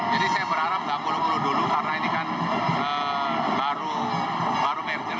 jadi saya berharap gak bulu bulu dulu karena ini kan baru merger